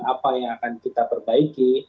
apa yang akan kita perbaiki